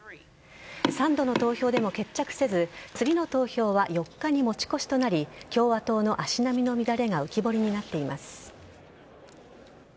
３度の投票でも決着せず次の投票は４日に持ち越しとなり共和党の足並みの乱れが浮き彫りになっています。